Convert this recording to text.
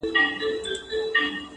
دی ارزو لري نور بدن یې د ماهي